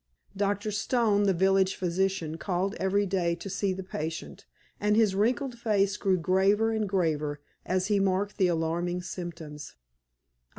Doctor Stone, the village physician, called every day to see the patient, and his wrinkled face grew graver and graver as he marked the alarming symptoms.